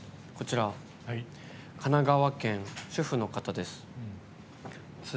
神奈川県、主婦の方です。